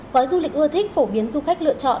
gói du lịch ưa thích phổ biến du khách lựa chọn